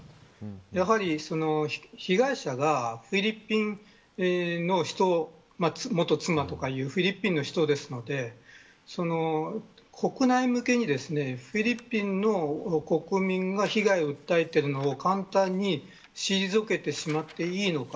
やはり、被害者がフィリピンの人元妻とかいうフィリピンの人なので国内向けにフィリピンの国民が被害を訴えているのを簡単に退けてしまっていいのか。